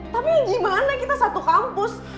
tapi gimana kita satu kampus